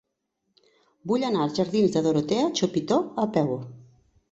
Vull anar als jardins de Dorotea Chopitea a peu.